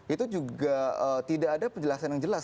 itu juga tidak ada penjelasan yang jelas